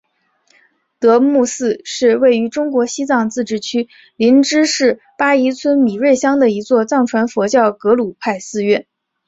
德木寺是位于中国西藏自治区林芝市巴宜区米瑞乡的一座藏传佛教格鲁派寺院。